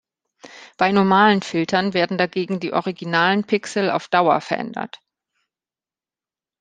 Bei normalen Filtern werden dagegen die originalen Pixel auf Dauer verändert.